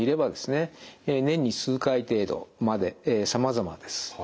年に数回程度までさまざまです。